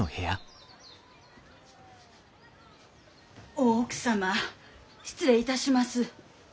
大奥様失礼いたします。